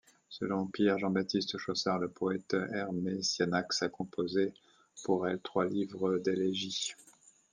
Selon Pierre-Jean-Baptiste Chaussard, le poète Hermésianax a composé pour elle trois livres d’élégies.